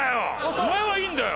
お前はいいんだよ！